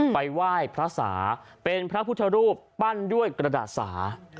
ไปไหว้พระสาเป็นพระพุทธรูปปั้นด้วยกระดาษสา